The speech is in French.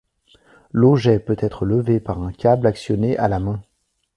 L'auget peut être levé par un câble actionné à la main.